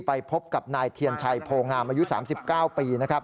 ไปพบกับนายเทียนชัยโภงามายุ๓๙ปี